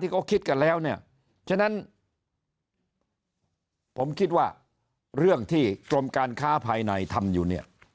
ที่เขาคิดกันแล้วเนี่ยฉะนั้นผมคิดว่าเรื่องที่กรมการค้าภายในทำอยู่เนี่ย